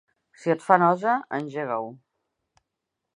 Si et fa nosa, engega-ho.